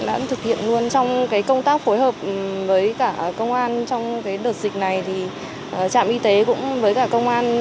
đã thực hiện luôn trong công tác phối hợp với cả công an trong đợt dịch này thì trạm y tế cũng với cả công an